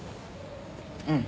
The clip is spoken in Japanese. うん。